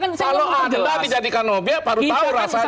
kalau anda dijadikan obyek baru tahu rasanya